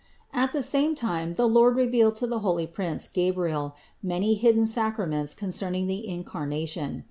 At the same time the Lord revealed to the holy prince Gabriel many hidden sacraments concerning the Incarnation.